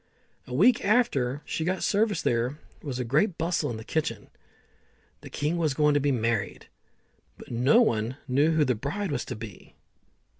A week after she got service there was great bustle in the kitchen. The king was going to be married, but no one knew who the bride was to be.